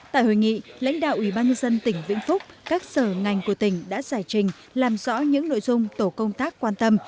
tại hội nghị lãnh đạo ủy ban nhân dân tỉnh vĩnh phúc các sở ngành của tỉnh đã giải trình làm rõ những nội dung tổ công tác quan tâm